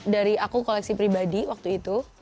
dari aku koleksi pribadi waktu itu